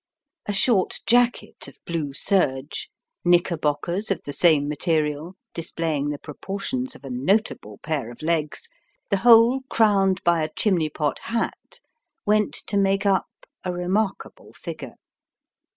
A short jacket of blue serge, knickerbockers of the same material, displaying the proportions of a notable pair of legs, the whole crowned by a chimney pot hat, went to make up a remarkable figure.